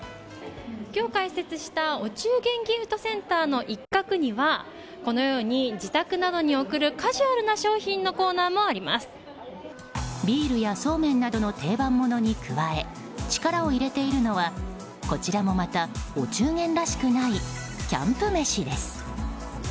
今日、開設したお中元ギフトセンターの一角にはこのように自宅などに送るカジュアルな商品のビールやそうめんなどの定番ものに加え力を入れているのはこちらもまたお中元らしくないキャンプ飯です。